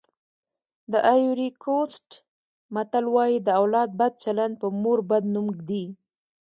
د ایوُري کوسټ متل وایي د اولاد بد چلند په مور بد نوم ږدي.